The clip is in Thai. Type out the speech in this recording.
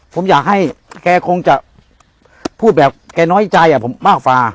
ผมอยากให้แกคงจะพูดแบบแกน้อยใจผมมากกว่า